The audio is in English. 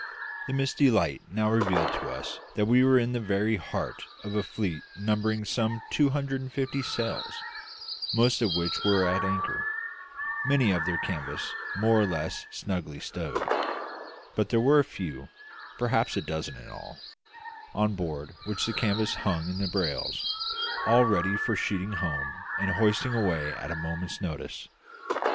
The misty light now revealed to us that we were in the very heart of a fleet numbering some two hundred and fifty sail, most of which were at anchor, many with their canvas more or less snugly stowed; but there were a few perhaps a dozen in all on board which the canvas hung in the brails, all ready for sheeting home and hoisting away at a moment's notice.